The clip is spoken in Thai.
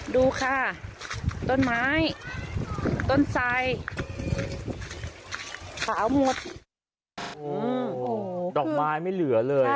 ดูค่ะต้นไม้ต้นไสขาวหมดโอ้โหดอกไม้ไม่เหลือเลย